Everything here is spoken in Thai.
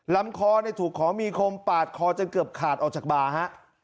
ลำคอถูกของมีคมปาดคอจนเกือบขาดออกจากบาร์ฮะ